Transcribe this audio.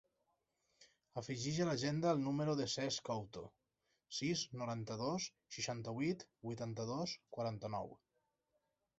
Afegeix a l'agenda el número del Cesc Couto: sis, noranta-dos, seixanta-vuit, vuitanta-dos, quaranta-nou.